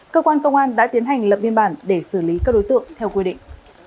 cơ quan công an đã tiến hành lập biên bản để xử lý các đối tượng theo quy định